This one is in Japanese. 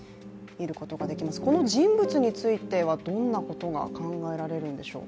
この人物についてはどんなことが考えられるんでしょう？